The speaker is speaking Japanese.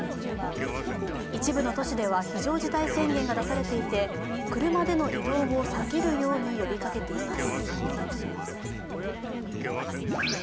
一部の都市では非常事態宣言が出されていて、車での移動を避けるように呼びかけています。